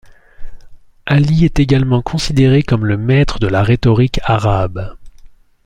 Ali est également considéré comme le maître de la rhétorique arabe.